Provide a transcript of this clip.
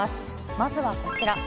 まずはこちら。